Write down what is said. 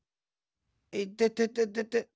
いててててて。